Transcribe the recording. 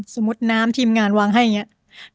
น้ำทีมงานวางให้อย่างนี้